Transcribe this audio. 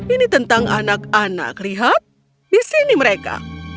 ini tentang anak anak lihat di sini mereka